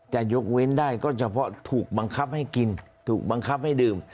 จะยกเว้นได้ก็เฉพาะถูกบังคับให้กินถูกบังคับให้ดื่ม